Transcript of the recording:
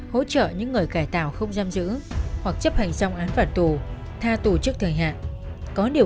tôi ra ngoài tôi mới tìm thì tôi đặt ra thì có cái